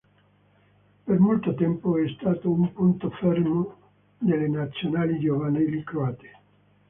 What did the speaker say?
Per molto tempo è stato un punto fermo delle Nazionali giovanili croate.